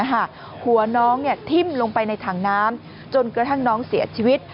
หัวน้องทิ้มลงไปในถังน้ำจนกระทั่งน้องเสียชีวิต